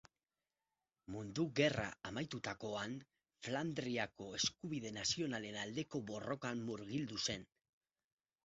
Mundu Gerra amaitutakoan Flandriako eskubide nazionalen aldeko borrokan murgildu zen.